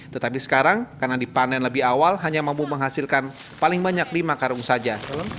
tetapi sekarang karena dipanen lebih awal hanya mampu menghasilkan paling banyak lima karung saja